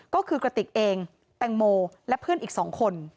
ก็คือกระติกเองแตงโมและเพื่อนอีก๒คน